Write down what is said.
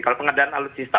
kalau pengadaan alutsista